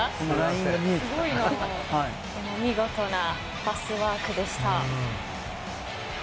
見事なパスワークでした。